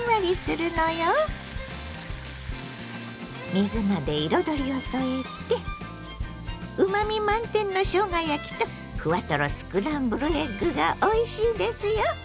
水菜で彩りを添えてうまみ満点のしょうが焼きとふわとろスクランブルエッグがおいしいですよ。